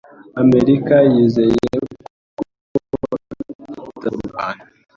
Amerika yizeye ko itazakomeza kurwana.